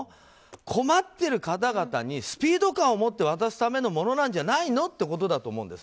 困っている方々にスピード感を持って渡すためのものなんじゃないの？ってことだと思うんです。